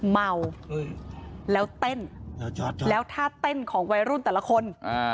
เมาแล้วเต้นแล้วท่าเต้นของวัยรุ่นแต่ละคน